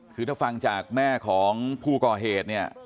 คือถ้าฟังจากแม่ของผู้ก่อเหตุเนี่ย